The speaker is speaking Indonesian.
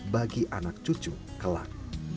bagi anak cucu kelak